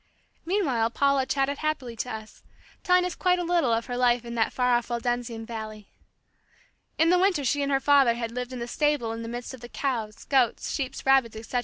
Meanwhile Paula chatted happily to us, telling us quite a little of her life in that far off Waldensian valley. In the winter she and her father had lived in the stable in the midst of the cows, goats, sheep, rabbits, etc.